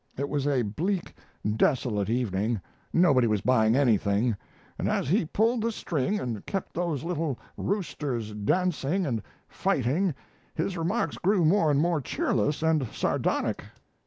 It was a bleak, desolate evening; nobody was buying anything, and as he pulled the string and kept those little roosters dancing and fighting his remarks grew more and more cheerless and sardonic.